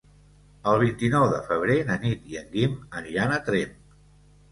El vint-i-nou de febrer na Nit i en Guim aniran a Tremp.